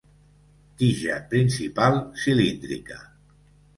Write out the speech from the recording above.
Tija principal cilíndrica.